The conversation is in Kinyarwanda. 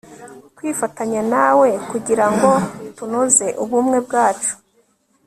kwifatanya nawe kugirango tunoze ubumwe bwacu